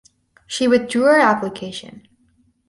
She withdrew her application.